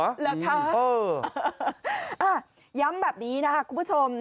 หรือคะเอ้ออ่าย้ำแบบนี้นะคะคุณผู้ชม